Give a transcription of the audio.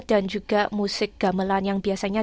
dan juga musik gamelan yang biasanya